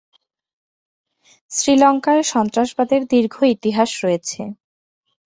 শ্রীলঙ্কায় সন্ত্রাসবাদের দীর্ঘ ইতিহাস রয়েছে।